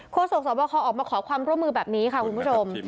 โศกสวบคอออกมาขอความร่วมมือแบบนี้ค่ะคุณผู้ชม